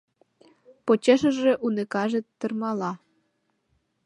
Почешыже уныкаже тырмала.